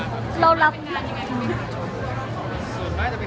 นั่งมากครับ